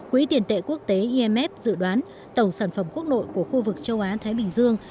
quỹ tiền tệ quốc tế imf dự đoán tổng sản phẩm quốc nội của khu vực châu á thái bình dương